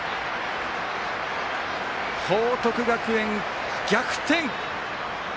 報徳学園、逆転！